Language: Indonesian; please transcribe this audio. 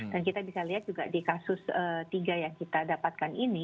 dan kita bisa lihat juga di kasus tiga yang kita dapatkan ini